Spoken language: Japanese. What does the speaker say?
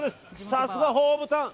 さすがホームタウン！